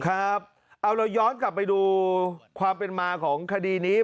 ครับเอาเราย้อนกลับไปดูความเป็นมาของคดีนี้